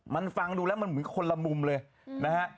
มันฟังดูแล้วมันเหมือนคนละมุมเลยนะฮะ